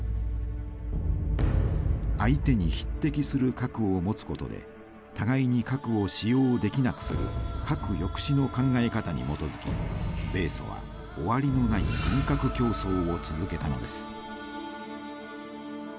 相手に匹敵する核を持つことで互いに核を使用できなくする「核抑止」の考え方に基づき米ソは終わりのない軍拡競争を続けたのです。